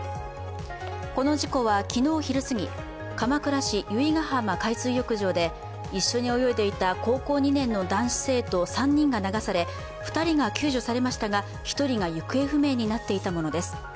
この事故は、昨日昼過ぎ、鎌倉市由比ガ浜海水浴場で一緒に泳いでいた高校２年の男子生徒３人が流され２人が救助されましたが１人が行方不明になっていたものです。